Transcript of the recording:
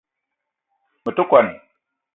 Me te kwuan